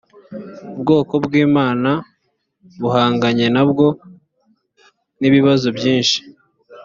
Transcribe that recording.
ubwoko bw’imana bahanganye nabwo, n’ibibazo byinshi